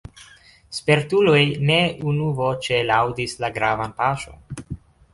Spertuloj ne unuvoĉe laŭdis la gravan paŝon.